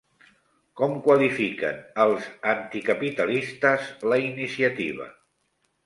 Com qualifiquen els anticapitalistes la iniciativa?